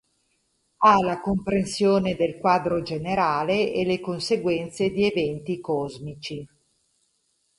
Ha la comprensione del quadro generale e le conseguenze di eventi cosmici.